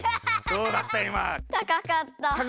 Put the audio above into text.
どうだった？